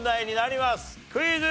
クイズ。